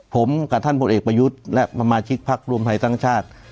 ผมกับท่านผลเอกประยุทธ์และสมาชิกพักรวมไทยสร้างชาติ